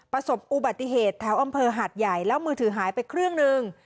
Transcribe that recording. ประสบอุบัติเหตุแถวอำเภอหาดใหญ่แล้วมือถือหายไปเครื่องหนึ่ง